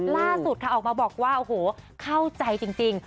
ล่าสุดค่ะออกมาบอกว่าโอ้โหเข้าใจจริง